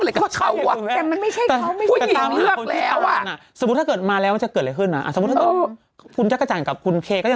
แล้วเราจะไปยุ่งอะไรกับเขา